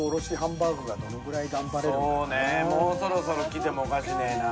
もうそろそろきてもおかしくねぇな。